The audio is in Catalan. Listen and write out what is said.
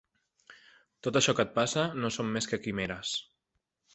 Tot això que et passa no són més que quimeres.